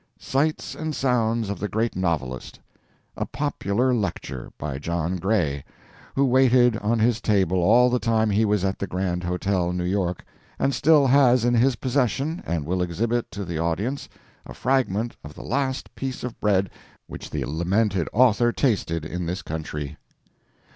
"Sights and Sounds of the Great Novelist." A popular lecture. By John Gray, who waited on his table all the time he was at the Grand Hotel, New York, and still has in his possession and will exhibit to the audience a fragment of the Last Piece of Bread which the lamented author tasted in this country.